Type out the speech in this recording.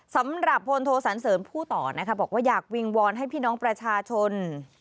สำหรับพลโทสันเสริมพูดต่อนะคะบอกว่าอยากวิงวอนให้พี่น้องประชาชน